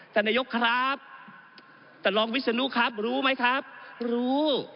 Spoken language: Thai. ท่านนายกครับท่านรองวิศนุครับรู้ไหมครับรู้